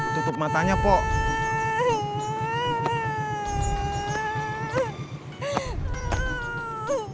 tutup matanya pok